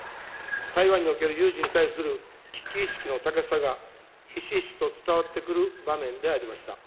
台湾における有事に対する危機意識の高さがひしひしと伝わってくる場面でありました。